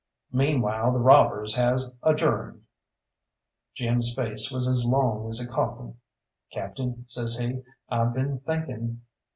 Meanwhile the robbers has adjourned." Jim's face was as long as a coffin. "Captain," says he, "I've been thinking."